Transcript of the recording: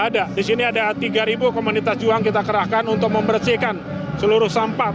ada di sini ada tiga komunitas juang kita kerahkan untuk membersihkan seluruh sampah